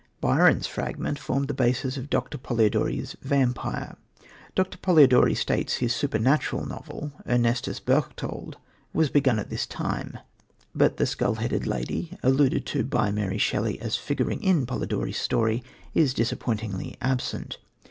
Byron's fragment formed the basis of Dr. Polidori's Vampyre. Dr. Polidori states that his supernatural novel, Ernestus Berchtold, was begun at this time; but the skull headed lady, alluded to by Mary Shelley as figuring in Polidori's story, is disappointingly absent.